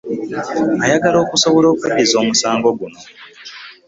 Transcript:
Ayagala okusobola okweddiza omusango guno